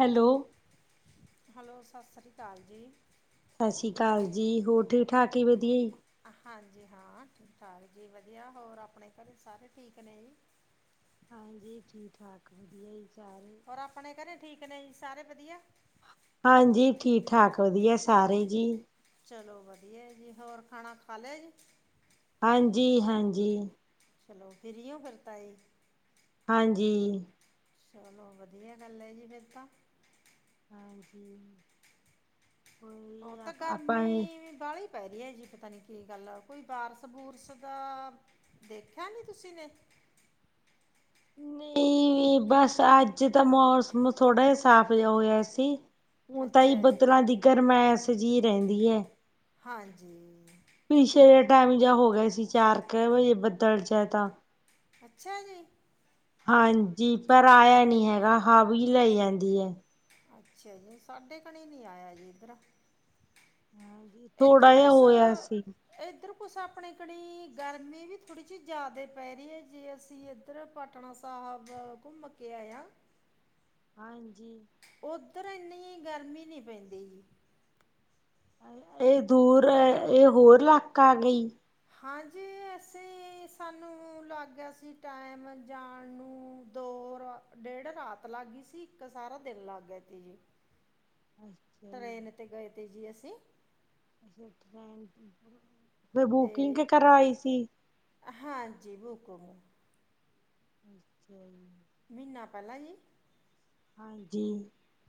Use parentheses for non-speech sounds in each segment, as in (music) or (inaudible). Hello hello ਸਤਿ ਸ਼੍ਰੀ ਅਕਾਲ ਜੀ। ਸਤਿ ਸ਼੍ਰੀ ਅਕਾਲ ਜੀ ਹੋਰ ਠੀਕ ਠਾਕ ਵਧੀਆ ਹਾਂਜੀ ਹਾਂ ਹਾਂਜੀ ਵਧੀਆ ਹੋਰ ਆਪਣੇ ਘਰੇ ਸਾਰੇ ਠੀਕ ਨੇ ਜੀ। ਹਾਂਜੀ ਠੀਕ ਠਾਕ ਵਧੀਆ ਵਿਚਾਰ ਔਰ ਆਪਣੇ ਘਰੇ ਠੀਕ ਨੇ ਜੀ ਸਾਰੇ ਵਧੀਆ ਹਾਂਜੀ ਠੀਕ ਠਾਕ ਵਧੀਆ ਸਾਰੇ ਜੀ। ਚਲੋ ਵਧੀਆ ਜੀ ਹੋਰ ਖਾਣਾ ਖਾ ਲੈ ਜੀ ਹਾਂਜੀ ਹਾਂਜੀ ਚਲੋ ਫਿਰ ਓ ਕਰਤਾ ਏ। ਹਾਂਜੀ ਚਲੋ ਵਧੀਆ ਗੱਲ ਐ ਜੀ ਫਿਰ ਤਾਂ ਹਾਂਜੀ ਕੋਈ ਜਾ ਆਪਣੇ। ਕਾਲੀ ਪੈ ਰਹੀ ਹੈ ਜੀ ਪਤਾ ਨੀ ਕੀ ਗੱਲ ਕੋਈ ਬਾਰਿਸ਼ - ਬੁਰਸ ਦਾ ਦੇਖਿਆ ਨੀ ਤੁਸੀਂ ਨੇ ਨਹੀਂ ਬਸ ਅੱਜ ਤਾਂ ਮੌਸਮ ਥੋੜਾ ਸਾਫ਼ ਜਾ ਹੋਇਆ ਸੀ। ਹੁਣ ਤਾਂ ਹੀ ਅੱਛਾ ਜੀ ਬੱਦਲਾਂ ਦਿਕਰ ਗਰਮੈਸ ਜਿਹੀ ਰਹਿੰਦੀ ਐ। ਹਾਂਜੀ ਪਿੱਛੇ ਟਾਈਮ ਜਾ ਹੋ ਗਿਆ ਸੀ ਚਾਰ ਕੁ ਵੀ ਬੱਦਲ ਜਿਆਦਾ ਅੱਛਾ ਜੀ ਹਾਂਜੀ ਪਰ ਆਇਆ ਨਹੀਂ ਹੈਗਾ ਹਵਾ ਹੀ ਲੈ ਜਾਂਦੀ ਆ ਅੱਛਾ ਜੀ ਸਾਡੇ ਘਣੇ ਨੀ ਆਇਆ ਜੀ ਇੱਧਰ ਹਾਂਜੀ ਇੱਧਰ ਥੋੜਾ ਜਿਹਾ ਕੁਛ ਹੋਇਆ ਸੀ। ਇੱਧਰ ਕੁਛ ਆਪਣੇ ਘਣੀ ਗਰਮੀ ਵੀ ਥੋੜੀ ਜਿਹੀ ਜ਼ਿਆਦੇ ਪੈ ਰਹੀ ਏ ਜੇ ਅਸੀਂ ਇਧਰ ਪਟਨਾ ਸਾਹਿਬ ਘੁੰਮ ਕੇ ਆਇਆ ਹਾਂਜੀ ਉਧਰ ਇੰਨੀ ਗਰਮੀ ਨੀ ਪੈਂਦੀ ਇਹ ਦੂਰ ਇਹ ਹੋਰ ਇਲਾਕਾ ਆ ਗਈ ਹਾਂਜੀ ਐਸੇ ਸਾਨੂੰ ਲੱਗ ਗਿਆ ਸੀ ਟਾਈਮ ਜਾਣ ਨੂੰ ਦੋ ਰਾ ਡੇਢ ਰਾਤ ਲੱਗ ਗਈ ਸੀ ਇੱਕ ਸਾਰਾ ਦਿਨ ਲੱਗ ਗਿਆ ਤੀ ਜੀ (unintelligible) ਟਰੇਨ 'ਤੇ ਗਏ ਤੇ ਜੀ ਅਸੀਂ ਨਹੀਂ ਅਤੇ ਬੁਕਿੰਗ ਕਰਾਈ ਸੀ। ਹਾਂਜੀ ਬੁਕਮ ਅੱਛਾ ਜੀ ਮਹੀਨਾ ਪਹਿਲਾਂ ਜੀ ਹਾਂਜੀ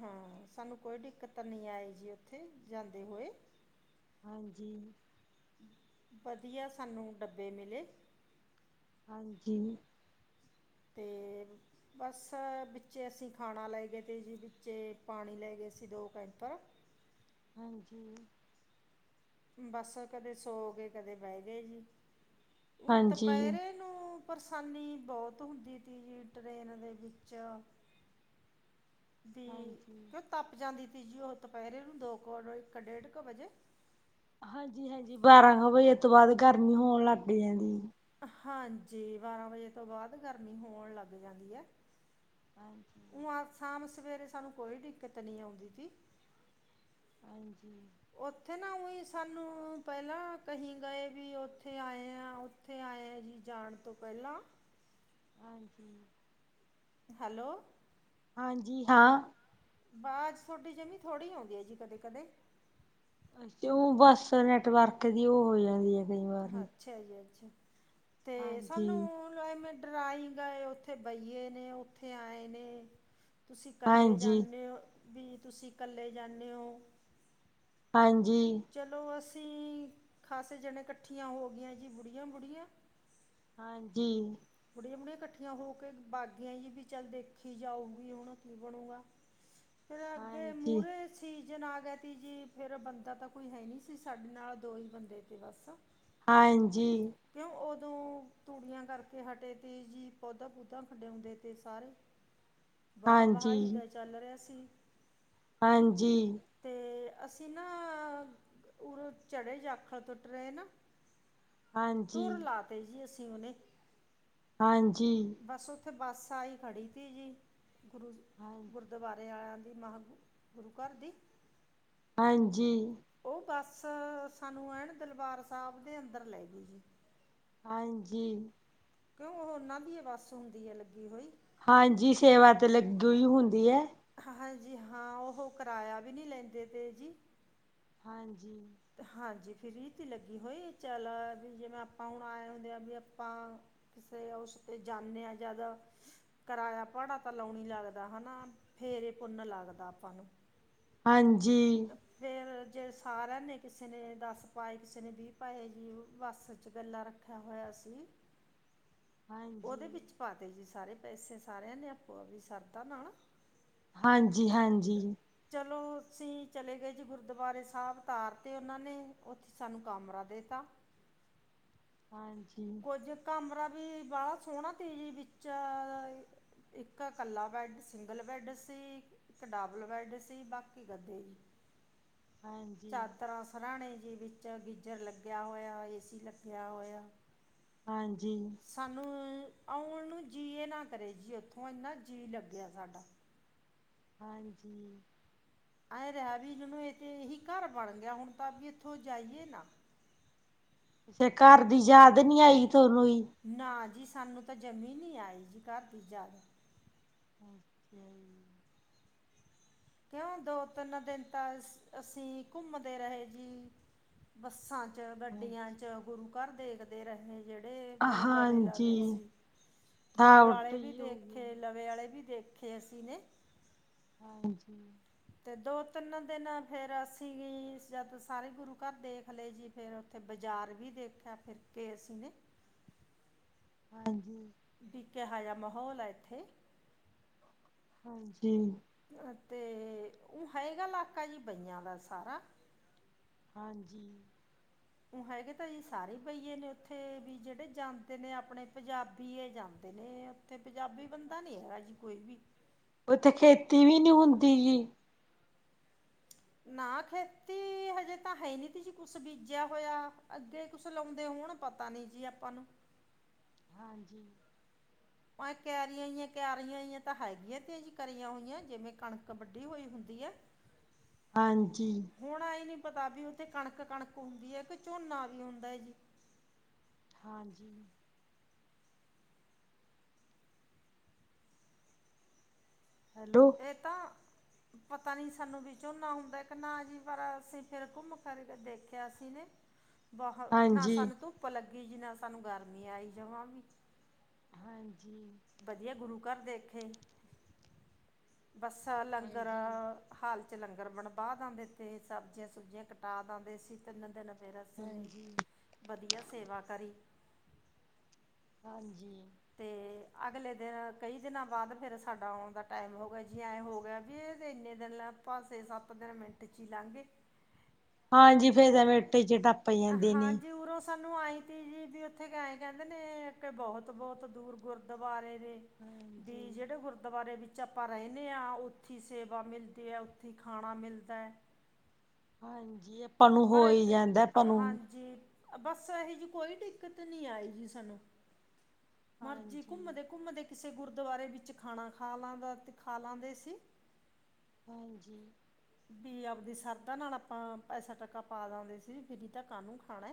ਹਾਂ ਸਾਨੂੰ ਕੋਈ ਦਿੱਕਤ ਨਹੀਂ ਆਈ ਜੀ ਉੱਥੇ ਜਾਂਦੇ ਹੋਏ ਹਾਂਜੀ। ਵਧੀਆ, ਸਾਨੂੰ ਡੰਬੇ ਮਿਲ਼ੇ। ਹਾਂਜੀ। ਤੇ (unintelligible) ਬੱਸ ਵਿੱਚੇ ਅਸੀਂ ਖਾਣਾ ਲੈ ਗਏ, ਤੇ ਜੀ ਵਿੱਚੇ ਅਸੀਂ ਪਾਣੀ ਲੈ ਗਏ ਸੀ, ਦੋ ਕੈਂਪਰ ਹਾਂਜੀ। ਬੱਸ ਕਦੇ ਸੋ ਗਏ, ਕਦੇ ਬਹਿ ਗਏ ਜੀ, ਉਹ ਹਾਂਜੀ। ਤਪਹਿਰੇ। ਮੈਨੂੰ ਪਰੇਸ਼ਾਨੀ ਬਹੁਤ ਹੁੰਦੀ ਤੀ ਜੀ, ਟ੍ਰਰੇਨ ਦੇ ਵਿੱਚ। ਦੀ ਹਾਂਜੀ। ਕਿਉਂ ਤੱਪ ਜਾਂਦੀ ਤੀ ਜੀ, ਉਹ ਦੁਪਹਿਰੇ ਨੂੰ ਦੋ ਕੁੋ ਇੱਕ ਡੇਢ ਕੁ ਵਜੇ। ਹਾਂਜੀ, ਹਾਂਜੀ ਬਾਰਾਂ ਕੁ ਵਜੇ ਤੋਂ ਬਾਅਦ, ਗਰਮੀ ਹੋਣ ਲੱਗ ਜਾਂਦੀ ਆ ਜੀ। ਹਾਂਜੀ, ਬਾਰਾਂ ਵਜੇ ਤੋਂ ਬਾਅਦ, ਗਰਮੀ ਹੋਣ ਲੱਗ ਜਾਂਦੀ ਐ। ਹਾਂਜੀ। (inaudible) ਉ ਆ ਸ਼ਾਮ, ਸਵੇਰੇ ਸਾਨੂੰ ਕੋਈ ਦਿੱਕਤ ਨੀ ਆਉਂਦੀ ਤੀ। ਹਾਂਜੀ। ਉੱਥੇ ਨਾ ਉਈ ਸਾਨੂੰ ਪਹਿਲਾਂ ਕਹੀ ਗਏ ਵੀ, ਉੱਥੇ ਆਏ ਆ ਉ। ਉੱਥੇ ਆਏ ਆ ਜੀ, ਜਾਣ ਤੋਂ ਪਹਿਲਾਂ। ਹਾਂਜੀ। ਹੈਲੋ। ਹਾਂਜੀ ਹਾਂ। ਵਾਜ ਤੁਹਾਡੀ ਜਿਮੀਂ ਥੋੜ੍ਹੀ ਆਉਂਦੀ ਆ ਜੀ। ਕਦੇ, ਕਦੇ (unintelligible) ਉਹ ਬੱਸ ਨੈਟਵਰਕ ਦੀ ਉਹ ਹੋ ਜਾਂਦੀ ਐ ਕਈ ਵਾਰੀ ਜੀ। ਅੱਛਾ ਜੀ, ਅੱਛਾ ਤੇ ਸਾਨੂੰ। ਐਵੇ ਡਰਾਈ ਗਏ, ਉੱਥੇ ਬਈਏ ਨੇ, ਉੱਥੇ ਆਏ ਨੇ। ਤੁਸੀਂ ਇਕੱਲੇ ਹਾਂਜੀ, ਜਾਂਣੇ ਓ, ਵੀ ਤੁਸੀਂ ਇਕੱਲੇ ਜਾਂਣੇ ਓ। ਹਾਂਜੀ। ਚੱਲੋ, ਅਸੀਂ ਖਾਸੇ ਜਣੇ ਇਕੱਠੀਆਂ ਹੋ ਗਈਆਂ ਜੀ। ਬੁੜੀਆਂ, ਬੁੜੀਆਂ ਹਾਂਜੀ। ਬੁੜੀਆਂ, ਬੁੜੀਆਂ ਇਕੱਠੀਆਂ ਹੋ ਕੇ ਬਾਗੀਆਂ ਜੀ, ਵੀ ਚੱਲ ਦੇਖੀ ਜਾਊਗੀ, ਹੁਣ ਕੀ ਬਣੂਗਾ। ਫਿਰ ਹਾਂਜੀ, ਅੱਗੇ ਹਾਂਜੀ, ਮੂਹਰੇ ਸੀਜਨ ਆ ਗਿਆ ਤੀ ਜੀ, ਫੇਰ ਬੰਦਾ ਤਾਂ ਕੋਈ ਹੈਨੀ ਸੀ, ਸਾਡੇ ਨਾਲ ਦੋ ਹੀ ਬੰਦੇ ਤੇ ਬੱਸ। ਹਾਂਜੀ। ਕਿਉਂ! ਉਦੋਂ ਤੂੜੀਆਂ ਕਰ ਕੇ ਹਟੇ ਤੇ ਜੀ, ਪੌਦਾ ਪੁਦਾ ਖਡਿਆਉਂਦੇ ਤੇ ਸਾਰੇ, ਬਾ ਬਹਾਈ ਹਾਂਜੀ। ਦਾ ਜੀ। ਚੱਲ ਰਿਹਾ ਸੀ। ਹਾਂਜੀ। ਤੇ ਅਸੀਂ ਨਾ ਉਰੇ ਚੜੇ ਜਾਖਲ ਤੋਂ ਟ੍ਰੇਨ। ਹਾਂਜੀ, ਤੁਰ ਲਾ ਤੇ ਜੀ, ਅਸੀਂ ਉਹਨੇ। ਹਾਂਜੀ। ਬੱਸ, ਉੱਥੇ ਬੱਸ ਆਈ ਖੜ੍ਹੀ ਤੀ ਜੀ। ਗੁਰੂ ਹਾਂ ਗੁਰਦੁਆਰਾ ਵਾਲੇ ਆਏਆ ਦੀ, ਮੇਹ ਗੁਰੂ ਘਰ ਦੀ। ਹਾਂਜੀ। ਉਹ ਬੱਸ ਸਾਨੂੰ, ਐਨ ਦਲਬਾਰ ਸਾਹਿਬ ਦੇ ਅੰਦਰ ਲੈ ਗਈ ਜੀ। ਹਾਂਜੀ। ਕਿਉ ਉਹੋ ਉਹਨਾ ਦੀ ਬੱਸ ਹੁੰਦੀ ਹੈ, ਲੱਗੀ ਹੋਈ। ਹਾਂਜੀ, ਸੇਵਾ ਤੇ ਲੱਗੀਓ ਹੀ ਹੁੰਦੀ ਐ। ਹਾਂਜੀ। ਹਾਂ, ਉਹ ਕਿਰਾਇਆ ਵੀ ਨੀ ਲੈਂਦੇ ਤੇ ਜੀ। ਹਾਂਜੀ। ਹਾਂਜੀ, ਫਰੀ ਤੇ ਲੱਗੀ ਹੋਈ, ਚੱਲ ਵੀ ਜਿਵੇਂ-ਆਪਾਂ ਹੁਣ ਆਏ ਹੁੰਦੇ ਆ ਵੀ ਆਪਾਂ ਕਿਸੇ ਉਸਤੇ ਜਾਂਨੇ ਆ ਜਦੋਂ ਕਰਾਇਆ ਭਾੜਾ ਤਾਂ ਲਾਉਣ ਨੀ ਲੱਗਦਾ। ਹਨਾ ਫੇਰ ਈ ਪੁੰਨ ਲੱਗਦਾ ਆਪਾਂ ਨੂੰ। ਹਾਂਜੀ। ਫੇਰ ਜੇ ਸਾਰਿਆ ਨੇ ਕਿਸੇ ਦੱਸ ਪਾਏ, ਕਿਸੇ ਨੇ ਵੀਹ ਪਾਏ ਜੀ, ਬੱਸ ਚ ਗੱਲਾ ਰਖ (unintelligible) ਹੋਇਆ ਸੀ। ਓਦੇ ਹਾਂਜੀ। ਵਿੱਚ ਪਾਤੇ ਜੀ ਸਾਰੇ ਪੈਸੇ, ਸਾਰਿਆਂ ਨੇ ਆਪੋ ਆਵਦੀ ਸਰਧਾ ਨਾਲ। ਹਾਂਜੀ, ਹਾਂਜੀ। ਚਲੋ, ਅਸੀਂ ਚਲੇ ਗਏ ਜੀ। ਗੁਰਦੁਆਰੇ ਸਾਹਿਬ ਤਾਰ ਤੇ ਓਨਾਂ ਨੇ ਉੱਥੇ ਸਾਨੂੰ ਕਮਰਾ ਦੇਤਾ। ਹਾਂਜੀ, ਕੁਝ ਕਾਮਰਾ ਵੀ ਬਾਲਾ ਸੋਣਾ ਤੀ ਵੀ ਵਿੱਚ ਇੱਕ ਕੱਲਾ ਬੈਡ, ਸਿੰਗਲ ਬੈੱਡ ਸੀ। ਇੱਕ ਡਾਬਲ ਬੈੱਡ ਸੀ ਬਾਕੀ ਗੱਦੇ ਹਾਂਜੀ, ਚਾਦਰਾਂ ਸਰਾਣੇ ਜੀ ਵਿੱਚ ਗੀਜ਼ਰ ਲੱਗਿਆ ਹੋਇਆ, ਏ ਸੀ ਲੱਗਿਆ ਹੋਇਆ। ਹਾਂਜੀ। ਸਾਨੂੰ ਆਉਣ ਨੂੰ ਜੀਅ ਨਾ ਕਰੇ ਜੀ। ਉੱਥੋਂ ਇੰਨਾ ਜੀਅ ਲੱਗਿਆ ਸਾਡਾ। ਹਾਂਜੀ। ਐਂ ਰਿਹਾ ਵੀ ਜਿਨੂੰ ਇਹ ਤੇ ਇਹੀ ਘਰ ਬਣ ਗਿਆ, ਹੁਣ ਤਾਂ ਵੀ ਇੱਥੋਂ ਜਾਈਏ ਨਾ। ਫੇਰ ਘਰ ਦੀ ਯਾਦ ਨੀ ਆਈ ਥੋਨੂੰ ਜੀ। ਨਾ ਜੀ, ਸਾਨੂੰ ਤਾਂ ਜ਼ਮੀ ਨੀ ਆਈ ਜੀ ਘਰ ਦੀ ਯਾਦ। (unintelligible) ਕਿਉਂ ਦੋ, ਤਿੰਨ ਦਿਨ ਤਾਂ ਅਸੀਂ ਘੁੰਮਦੇ ਰਹੇ ਜੀ। ਬੱਸਾਂ ਚ, ਹਾਂ ਗੱਡੀਆਂ ਚ, ਗੁਰੂ ਘਰ ਦੇਖਦੇ ਰਹੇ। ਜਿਹੜੇ ਜਿਹੜੇ ਵੀ ਲਵੇ, ਹਾਂਜੀ ਲਵੇ ਸੀ। ਦੂਰ ਥਕਾਵਟ ਆਲੇ ਵੀ ਹੀ ਹੋ ਦੇਖੇ ਗਈ ਲਵੇ ਆਲੇ ਵੀ ਦੇਖੇ ਅਸੀਂ ਨੇ। ਹਾਂਜੀ। ਤੇ ਦੋ-ਤਿੰਨ ਦਿਨ ਫੇਰ ਅਸੀਂ ਜਦ ਸਾਰੇ ਗੁਰੂ ਘਰ ਦੇਖ ਲਏ ਜੀ ਫੇਰ ਓਥੇ ਬਾਜ਼ਾਰ ਵੀ ਦੇਖਿਆ ਫਿਰਕੇ ਅਸੀਂ ਨੇ। ਹਾਂਜੀ। ਬੀ ਕਹਾ ਜਾ ਮਾਹੌਲ ਹੈ ਇੱਥੇ ਹਾਂਜੀ। ਅਤੇ ਉ ਹੈਗਾ ਇਲਾਕਾ ਜੀ ਬਈਆਂ ਦਾ ਸਾਰਾ। ਹਾਂਜੀ। ਉਹ ਹੈਗੇ ਤਾਂ ਜੀ ਸਾਰੇ ਬਹੀਏ ਨੇ ਉੱਥੇ ਵੀ ਜਿਹੜੇ ਜਾਂਦੇ ਨੇ ਆਪਣੇ ਪੰਜਾਬੀਏ ਜਾਂਦੇ ਨੇ। ਤੇ ਪੰਜਾਬੀ ਬੰਦਾ ਨੀ ਹੈਗਾ ਜੀ ਕੋਈ ਵੀ। ਉੱਥੇ ਖੇਤੀ ਵੀ ਨੀ ਹੁੰਦੀ ਜੀ। ਨਾ ਖੇਤੀ ਹਜੇ ਤਾਂ ਹੈ ਨੀ ਤੁੀ ਕੁਛ ਬੀਜਿਆ ਹੋਇਆ। ਅੱਗੇ ਕੁਛ ਲਾਉਂਦੇ ਹੋਣ ਪਤਾ ਨੀ ਜੀ ਆਪਾਂ ਨੂੰ। ਹਾਂਜੀ। ਭਾਏ ਕਿਆਰੀਆਂ ਈਆਂ, ਕਿਆਰੀਆਂ ਈਆਂ ਤਾਂ ਹੈਗੀਆਂ ਤੇ ਕਰੀਆਂ ਹੋਈਆਂ ਜਿਵੇਂ- ਕਣਕ ਵੰਡੀ ਹੋਈ ਹੁੰਦੀ ਹੈ। (inaudible) ਹਾਂਜੀ। ਹੁਣ ਏ ਨਈ ਪਤਾ ਵੀ ਓਥੇ ਕਣਕ ਕਣਕ ਹੁੰਦੀ ਹੈ ਕੇ ਝੋਨਾ ਵੀ ਹੁੰਦਾ ਜੀ। ਹਾਂਜੀ। ਹੈਲੋ ਏ ਤਾਂ ਪਤਾ ਨੀ ਸਾਨੂੰ ਵੀ ਝੋਨਾ ਹੁੰਦਾ ਕੇ ਨਾ ਜੀ ਪਰ ਅਸੀਂ ਫੇਰ ਘੁੰਮ ਫਿਰ ਕੇ ਦੇਖੇਆ ਸੀ ਜੀ। ਬਹ ਨਾ ਹਾਂਜੀ ਸਾਨੂੰ ਧੁੱਪ ਲੱਗੀ ਜੀ ਨਾ ਸਾਨੂੰ ਗਰਮੀ ਆਈ ਜਮਾਂ ਵੀ। ਹਾਂਜੀ। ਵੱਧੀਆ ਗੁਰੂ ਘਰ ਦੇਖੇ, ਬੱਸਾਂ ਲੰਗਰਾ ਹਾਂਜੀ ਹਾਲ ਚ ਲੰਗਰ ਬਣਵਾ ਦਿੰਦੇ ਤੇ ਸਬਜ਼ੀਆਂ ਸੁਬਜ਼ੀਆਂ ਕਟਾ ਦਿੰਦੇ ਅ ਸੀ ਤਿੰਨ ਦਿਨ ਫੇਰ ਅਸੀ ਨੇ ਹਾਂਜੀ ਵੱਧੀਆ ਸੇਵਾ ਕਰੀ। ਹਾਂਜੀ। ਤੇ ਅਗਲੇ ਦਿਨ ਕਈ ਦਿਨਾਂ ਬਾਅਦ ਫਿਰ ਸਾਡਾ ਆਉਣ ਦਾ ਟਾਈਮ ਹੋ ਗਿਆ ਜੀ ਐਂ ਹੋ ਗਿਆ ਵੀ ਏ ਦੇ ਇੰਨੇ ਦਿਨ ਲੱਗ ਪਾਸੇ ਸੱਤ ਤਿੰਨ ਮਿੰਟ 'ਚ ਹੀ ਲੰਘ ਗਏ। ਹਾਂਜੀ ਫੇਰ ਤਾ ਐਵੇੇ ਟੀਚੀ ਟੱਪ ਜਾਂਦੇ ਨੇ ਹਾਂਜੀ ਉਰੋਂ ਸਾਨੂੰ ਆਏ ਤੀ ਵੀ ਜੀ ਉੱਥੇ ਗਏ ਆਏਂ ਕੇਂਦੇ ਨੇ ਕਿ ਬੋਹਤ ਬੋਹਤ ਦੂਰ ਗੁਰਦੁਆਰੇ ਨੇ। ਵੀ ਹਾਂਜੀ ਜੇੜੇ ਗੁਰਦੁਆਰੇ ਵਿੱਚ ਜਿੱਥੇ ਆਪਾਂ ਰੇਂਦੇ ਆ ਉੱਥੇ ਸੇਵਾ ਮਿਲਦੀ ਐ ਉੱਥੇ ਖਾਣਾ ਮਿਲਦਾ ਐ। ਹਾਂਜੀ ਆਪਾਂ ਨੂੰ ਹੋ ਈ ਜਾਂਦਾ ਆਪਾਂ ਨੂੰ। ਜੀ। ਬਸ ਇਹੋ ਜਿਹੀ ਕੋਈ ਦਿੱਕਤ ਨੀ ਆਈ ਜੀ ਸਾਨੂੰ। ਮਰਜ਼ੀ ਹਾਂਜੀ ਘੁੰਮਦੇ -ਘੁੰਮਦੇ ਕਿਸੇ ਗੁਰਦੁਆਰੇ ਵਿੱਚ ਖਾਣਾ ਖਾ ਲਾਂਦਾ ਤੇ ਖਾ ਲਾਂਦੇ ਸੀ। ਹਾਂਜੀ। ਵੀ ਆਪਦੀ ਸਰਦਾ ਨਾਲ ਆਪਾਂ ਪੈਸਾ ਟੱਕਾ ਪਾ ਦਿੰਦੇ ਸੀ ਫਿਰ ਏਦਾ ਕਾਨੂੰ ਖਾਣਾ,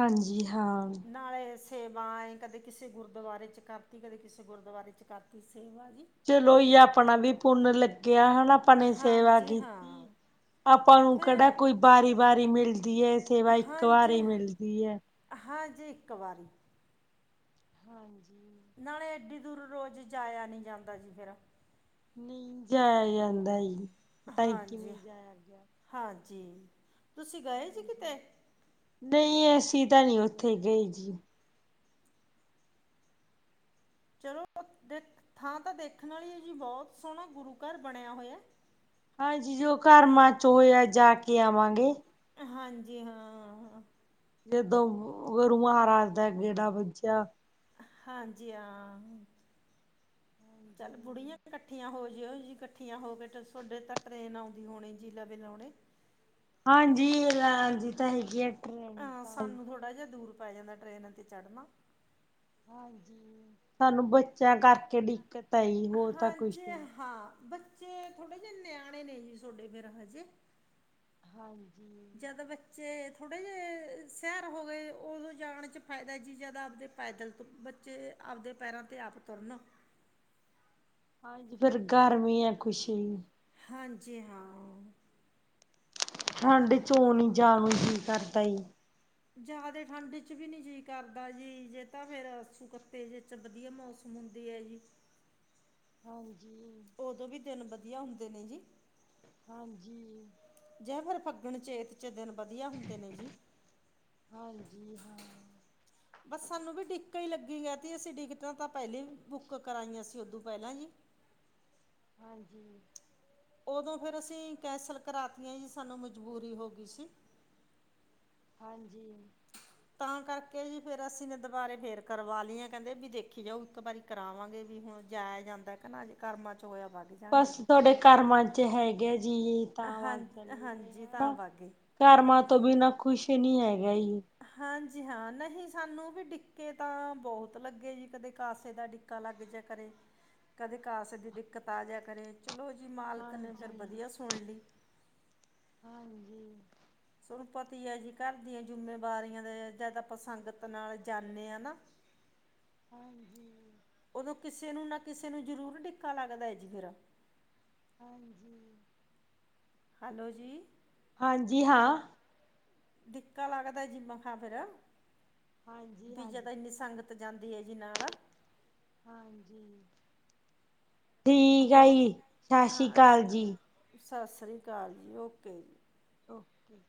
ਹਾਂਜੀ ਹਾਂ ਨਾਲੇ ਸ ਸੇਵਾ ਏਂ ਕਦੇ ਕਿਸੇ ਗੁਰਦੁਆਰੇ 'ਚ ਕਰਤੀ ਕਦੇ ਕਿਸੇ ਗੁਰਦੁਆਰੇ 'ਚ ਕਰਤੀ ਸੇਵਾ ਜੀ। ਚਲੋ ਜੀ ਆਪਣਾ ਵੀ ਪੁੰਨ ਲਗ ਗਿਆ ਹਨਾ ਆਪਾਂ ਨੇ ਸੇਵਾ ਹਾਂਜੀ ਹਾਂ ਕੀਤੀ ਆਪਾਂ ਨੂੰ ਕੇੜਾ ਫਿਰ ਕੋਈ ਵਾਰੀ ਵਾਰੀ ਮਿਲਦੀ ਏ ਸੇਵਾ ਇੱਕ ਹਾਂਜੀ ਵਾਰੀ ਮਿਲਦੀ ਏ। ਹਾਂਜੀ ਇੱਕ ਵਾਰੀ। ਹਾਂਜੀ। ਨਾਲੇ ਐੱਡੀ ਦੂਰ ਰੋਜ਼ ਜਾਇਆ ਨੀ ਜਾਂਦਾ ਜੀ ਫੇਰ। ਨਈ ਜਾਏਆ ਜਾਂਦਾ ਜੀ। ਪਤਾ ਨੀ ਹਾਂਜੀ ਕਿਵੇਂ ਜਾਇਆ ਗਿਆ। -ਹਾਂਜੀ, ਤੁਸੀਂ ਗਏ ਸੀ ਕਿਤੇ? ਨਈ ਅਸੀਂ ਤਾਂ ਨੀ ਓਥੇ ਗਏ ਜੀ। ਚਲੋ, ਦੇਖ ਥਾਂ ਤਾਂ ਦੇਖਣ ਵਾਲੀ ਆ ਜੀ ਬੋਤ ਸੋਹਣਾ ਗੁਰੂ ਘਰ ਬਣੇਆ ਹੋਏਆ। ਹਾਂਜੀ ਜੋ ਕਰਮਾ 'ਚ ਹੋਇਆ ਜਾ ਕੇ ਆਵਾਂਗੇ। ਹਾਂਜੀ ਹਾਂ ਹਾਂ। ਜਦੋਂ ਗੁਰੂ ਮਹਾਰਾਜ ਦਾ ਗੇੜਾ ਵੱਜਾ। ਹਾਂਜੀ ਆ ਚੱਲ ਬੁੜੀਆਂ ਇਕੱਠੀਆਂ ਹੋ ਜਿਓ ਜੀ ਇਕੱਠੀਆਂ ਹੋ ਕੇ ਥੋਡੇ ਤਾਂ ਟਰੇਨ ਆਉਂਦੀ ਹੋਣੀ ਜੀ ਲਵੇ ਲਾਉਣੇ। ਹਾਂਜੀ ਆਂਦੀ ਤਾਂ ਹੈਗੀ ਆ ਟ੍ਰੇਨ ਆਂ ਤਾਂ ਸਾਨੂੰ ਥੋੜ੍ਹਾ ਜੇਹਾ ਦੂਰ ਪੈ ਜਾਂਦਾ ਟਰੇਨਾ 'ਤੇ ਚੜ੍ਹਨਾ। ਸਾਨੂੰ ਬੱਚਿਆਂ ਕਰਕੇ ਡਿਕੱਤ ਹਾਂਜੀ ਹਾਂ ਬੱਚੇ ਥੋੜੇ ਜੇ ਨਿਆਣੇ ਨੇ ਜੀ ਥੋਡੇ ਦੇਰ ਹਜੇ ਹਾਂਜੀ ਜਦ ਬੱਚੇ ਥੋੜੇ ਜੇ ਸਿਆਰ ਹੋ ਗਏ ਓਦੋਂ ਜਾਣ ਚ ਫਾਇਦਾ ਜੀ ਜਦ ਆਪਦੇ ਪੈਦਲ ਤੋਂ ਬੱਚੇ ਆਪਦੇ ਪੈਰਾਂ ਤੇ ਆਪ ਤੁਰਨਾ ਹਾਂਜੀ ਫੇਰ ਗਰਮੀ ਆ ਕੁਛ ਵੀ ਹਾਂਜੀ ਹਾਂ ਠੰਡ ਚ ਓ ਨੀ ਜਾਣ ਨੂੰ ਕਰਦਾ ਜ਼ੀ ਜ਼ਿਆਦੇ ਠੰਡ ਚ ਵੀ ਨੀ ਜੀਅ ਕਰਦਾ ਜੀ ਜੇ ਤਾਂ ਫੇਰ ਅੱਸੂ ਕੱਤੇ ਜੇ ਚ ਵਧੀਆ ਮੌਸਮ ਹੁੰਦੀ ਏ ਜੀ ਹਾਂਜੀ ਓਦੋਂ ਵੀ ਦਿਨ ਵਧੀਆ ਹੁੰਦੇ ਨੇ ਜੀ। ਹਾਂਜੀ ਜਾਂ ਫੇਰ, ਫੱਗਣ ਚੇਤ ਚ ਦਿਨ ਵਧੀਆ ਹੁੰਦੇ ਨੇ ਜੀ ਹਾਂਜੀ ਹਾਂ ਬਸ ਸਾਨੂੰ ਵੀ ਡਿੱਕਾ ਈ ਲੱਗੀ ਗਿਆ ਤੀ ਅਸੀਂ ਡਿਕਟਾਂ ਤਾਂ ਪਹਿਲੇ ਈ ਬੁੱਕ ਕਰਾਈਆਂ ਸੀ ਓਦੂ ਪਹਿਲਾਂ ਜੀ ਹਾਂਜੀ ਓਦੋਂ ਫੇਰ ਅਸੀਂ ਕੈਸਲ ਕਰਾਤੀਆਂ ਜੀ ਸਾਨੂੰ ਮਜ਼ਬੂਰੀ ਹੋ ਗਈ ਸੀ। ਹਾਂਜੀ ਤਾਂ ਕਰਕੇ ਜੀ ਫੇਰ ਅਸੀਂ ਨੇ ਦੁਬਾਰੇ ਫੇਰ ਕਰਵਾ ਲਈਏ ਕਹਿੰਦੇ ਵੀ ਦੇਖੀ ਜਾਓ ਇੱਕ ਵਾਰੀ ਕਰਾਵਾਂਗੇ ਵੀ ਹੁਨ ਜਾਇਆ ਜਾਂਦਾ ਕ ਨਾ ਕਰਮਾਂ ਚ ਹੋਇਆ ਵਗਜਾ ਬਸ ਤੁਹਾਡੇ ਕਰਮਾਂ ਚ ਹੈਗੇ ਜੀ ਤਾਂ ਹਾਂ ਹਾਂਜੀ ਤਾਂ ਵਗ ਏ। ਕਰਮਾ ਤੋਂ ਬਿਨਾਂ ਕੁਛ ਨੀ ਹੈਗਾ ਜੀ। ਹਾਂਜੀ ਹਾਂ ਨਹੀਂ ਸਾਨੂੰ ਵੀ ਡਿੱਕੇ ਤਾਂ ਬਹੁਤ ਲੱਗੇ ਜੀ ਕਦੇ ਕਾਸੇ ਦਾ ਡਿੱਕਾ ਕਾਲਾ ਵੀਜੈ ਕਰੇ। ਕਦੇ ਕਾਸੇ ਦੀ ਡਿੱਕਤ ਆ ਜਿਆ ਕਰੇ। ਚਲੋ ਜੀ, ਮਾਲਕ ਨੇ ਫਿਰ ਹਾਂਜੀ, ਵਧੀਆ ਸੁਣ ਲੀ ਹਾਂਜੀ ਸਾਨੂੰ ਪਤਾ ਈ ਆ ਜੀ ਘਰ ਦੀਆਂ ਜਿੰਮੇਵਾਰੀਆਂ ਦਾ ਜਦ ਆਪਾ ਸੰੰਗਤ ਨਾਲ ਜਾਂਦੇ ਆ ਨਾ ਹਾਂਜੀ, ਹਾਂਜੀ। (inaudible) ਓਦੋ ਕਿਸੇ ਨੂੰ ਨਾ ਕਿਸੇ ਨੂੰ ਜਰੂਰ ਡਿੱਕਾ ਲੱਗਦਾ ਏ ਜੀ ਮੇਰਾ ਹਾਂਜੀ ਹੈਲੋ ਜੀ। ਹਾਂਜੀ ਹਾਂ। ਡਿੱਕਾ ਲੱਗਦਾ ਜੀ ਮਖਾਂ ਫਿਰ ਹਾਂਜੀ ਬੀ ਜਦ ਹਾਂਜੀ ਏਨੀ ਸੰਗਤ ਜਾਂਦੀ ਏ ਜੀ ਨਾਲ। ਹਾਂਜੀ, ਠੀਕ ਹੋ ਆ ਜੀ, ਸ਼ਸ਼ੀ ਕਾਲ ਜੀ। ਸਸ੍ਰੀ ਕਾਲ ਜੀ। ਓਕੇ ਜੀ ਓਕੇ।